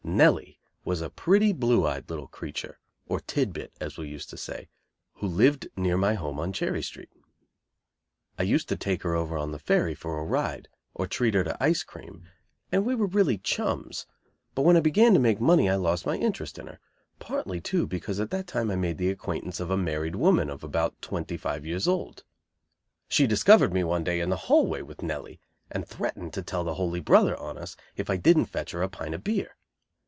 Nellie was a pretty, blue eyed little creature, or "tid bit," as we used to say, who lived near my home on Cherry Street. I used to take her over on the ferry for a ride, or treat her to ice cream; and we were really chums; but when I began to make money I lost my interest in her; partly, too, because at that time I made the acquaintance of a married woman of about twenty five years old. She discovered me one day in the hallway with Nellie, and threatened to tell the holy brother on us if I didn't fetch her a pint of beer.